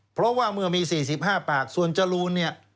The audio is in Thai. เพราะว่าเมื่อมี๔๕ปากส่วนจรูนเนี่ย